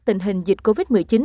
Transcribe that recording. tình hình dịch covid một mươi chín